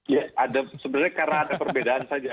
ya ada sebenarnya karena ada perbedaan saja